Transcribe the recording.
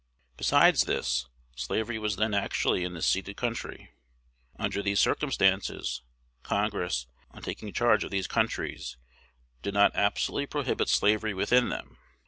Besides this, slavery was then actually in the ceded country. Under these circumstances, Congress, on taking charge of these countries, did not absolutely prohibit slavery within them.